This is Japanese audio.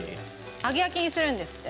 揚げ焼きにするんですって。